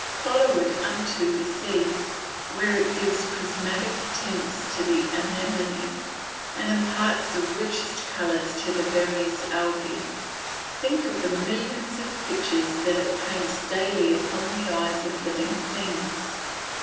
Follow it unto the sea, where it gives prismatic tints to the anemone, and imparts the richest colours to the various algae. Think of the millions of pictures that it paints daily upon the eyes of living things.